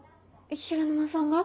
平沼さんが？